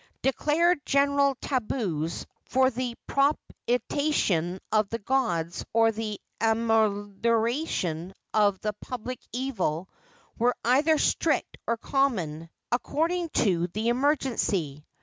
Declared general tabus, for the propitiation of the gods or the amelioration of a public evil, were either strict or common, according to the emergency.